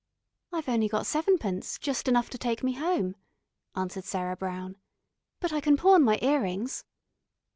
"I've only got sevenpence, just enough to take me home," answered Sarah Brown. "But I can pawn my ear rings."